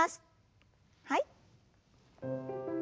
はい。